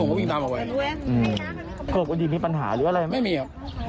แล้วผมก็วิ่งตามไปไว้อืมโปรดดินมีปัญหาหรืออะไรไม่มีอ่ะ